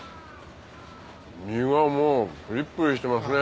身がもうプリップリしてますね